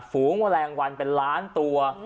ฝูงแมลงวันเป็นล้านตัว